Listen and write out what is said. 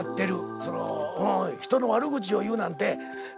その人の悪口を言うなんて。